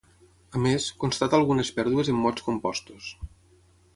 A més, constata algunes pèrdues en mots compostos.